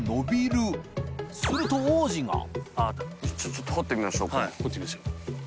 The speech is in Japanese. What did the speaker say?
ちょっと掘ってみましょうか。